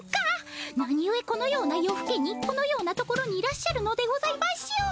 なにゆえこのような夜ふけにこのような所にいらっしゃるのでございましょう。